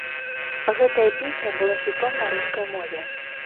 Гэтая песня была хітом на рускай мове.